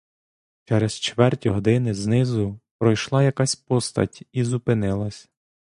Через чверть години знизу пройшла якась постать і зупинилась.